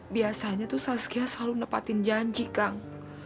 biasanya tuh sazkia selalu nepatin janji kang